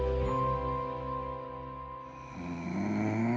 うん。